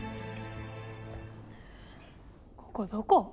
ここどこ？